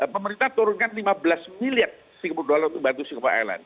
pemerintah turunkan lima belas miliar singapura dollar untuk bantu singapore island